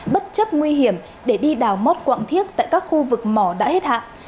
bất chấp nguy hiểm để đi đào mót quạng thiết tại các khu vực mỏ đã hết hạn